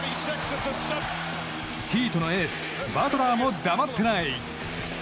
ヒートのエースバトラーも黙ってない！